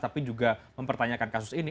tapi juga mempertanyakan kasus ini